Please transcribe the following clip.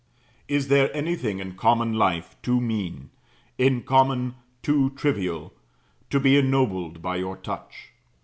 Is there anything in common life too mean, in common too trivial, to be ennobled by your touch?